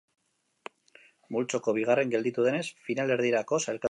Multzoko bigarren gelditu denez, finalerdietarako sailkatu da.